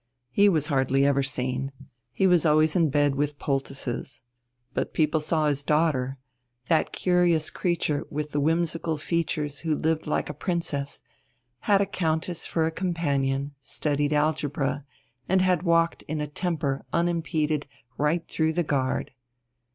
He was hardly ever seen: he was always in bed with poultices. But people saw his daughter, that curious creature with the whimsical features who lived like a princess, had a countess for a companion, studied algebra, and had walked in a temper unimpeded right through the guard.